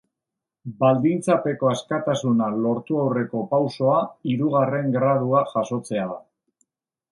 Baldintzapeko askatasuna lortu aurreko pausoa hirugarren gradua jasotzea da.